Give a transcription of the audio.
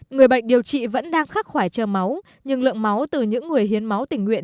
người bệnh điều trị vẫn đang khắc khoải cho máu nhưng lượng máu từ những người hiến máu tình nguyện